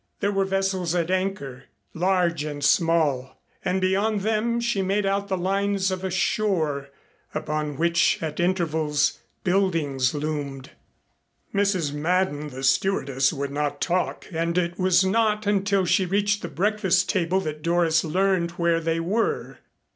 There were vessels at anchor, large and small, and beyond them she made out the lines of a shore, upon which at intervals buildings loomed. Mrs. Madden, the stewardess, would not talk and it was not until she reached the breakfast table that Doris learned where they were.